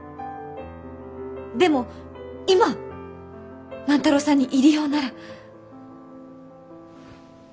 でも今万太郎さんに入り用なら！